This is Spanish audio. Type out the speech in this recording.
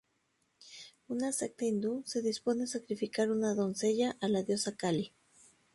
Una secta hindú se dispone a sacrificar una doncella a la Diosa Kali.